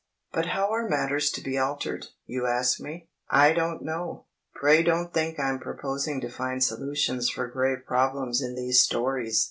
But how are matters to be altered? you ask me. I don't know! Pray don't think I'm proposing to find solutions for grave problems in these stories!